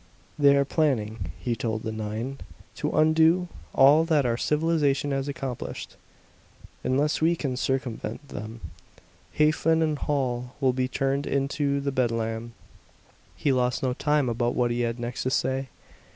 "They are planning," he told the nine, "to undo all that our civilization has accomplished. Unless we can circumvent them, Hafen and Holl will be turned into bedlam." He lost no time about what he had next to say.